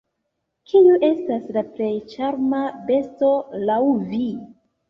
Kiu estas la plej ĉarma besto laŭ vi?